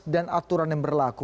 dan aturan yang berlaku